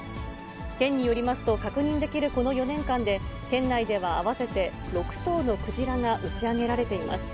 県によりますと、確認できるこの４年間で、県内では合わせて６頭のクジラが打ち上げられています。